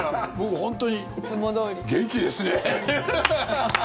本当に。